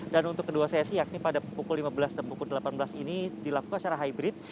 dan untuk kedua sesi yakni pada pukul lima belas dan pukul delapan belas ini dilakukan secara hybrid